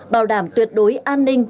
bảo đảm tuyệt đối an ninh